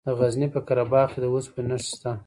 د غزني په قره باغ کې د اوسپنې نښې شته.